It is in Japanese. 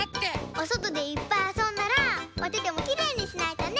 おそとでいっぱいあそんだらおててもきれいにしないとね！